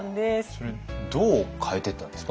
それどう変えてったんですか？